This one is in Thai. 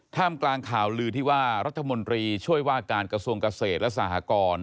มกลางข่าวลือที่ว่ารัฐมนตรีช่วยว่าการกระทรวงเกษตรและสหกร